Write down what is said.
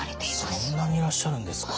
そんなにいらっしゃるんですか。